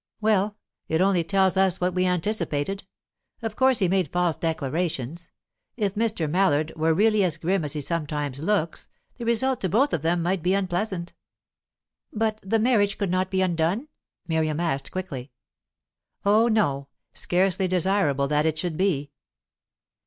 "Well, it only tells us what we anticipated. Of course he made false declarations. If Mr. Mallard were really as grim as he sometimes looks, the result to both of them might be unpleasant." "But the marriage could not be undone?" Miriam asked quickly. "Oh no. Scarcely desirable that it should be."